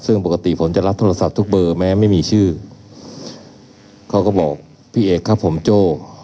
ซึ่งปกติผมจะรับโทรศัพท์ทุกเบอร์แม้ไม่มีชื่อเขาก็บอกพี่เอกครับผมโจ้